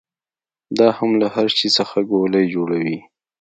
دا هم له هر شي څخه ګولۍ جوړوي.